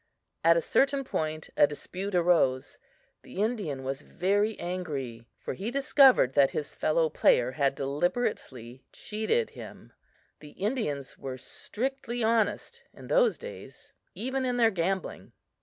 At a certain point a dispute arose. The Indian was very angry, for he discovered that his fellow player had deliberately cheated him. The Indians were strictly honest in those days, even in their gambling.